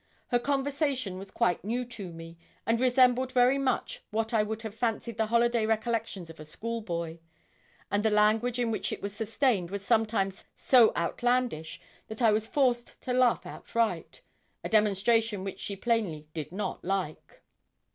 Her conversation was quite new to me, and resembled very much what I would have fancied the holiday recollections of a schoolboy; and the language in which it was sustained was sometimes so outlandish, that I was forced to laugh outright a demonstration which she plainly did not like.